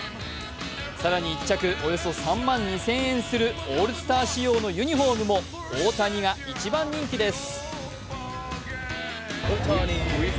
更に１着およそ３万２０００円するオールスター仕様のユニフォームも大谷が一番人気です。